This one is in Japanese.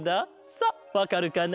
さあわかるかな？